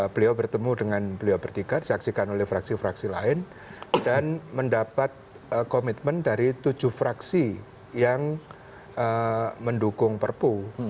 beliau bertemu dengan beliau bertiga disaksikan oleh fraksi fraksi lain dan mendapat komitmen dari tujuh fraksi yang mendukung perpu